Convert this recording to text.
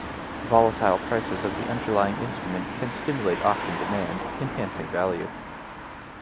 Volatile prices of the underlying instrument can stimulate option demand, enhancing the value.